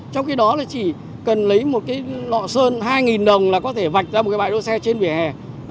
trong khi đó là chỉ cần lấy một cái lọ sơn hai đồng là có thể vạch ra một cái bãi đỗ xe trên vỉa hè